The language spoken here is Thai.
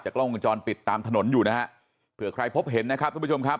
กล้องวงจรปิดตามถนนอยู่นะฮะเผื่อใครพบเห็นนะครับทุกผู้ชมครับ